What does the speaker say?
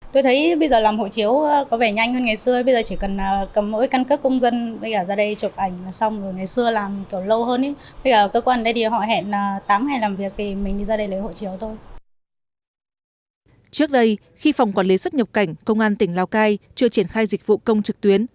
trước đây khi phòng quản lý xuất nhập cảnh công an tỉnh lào cai chưa triển khai dịch vụ công trực tuyến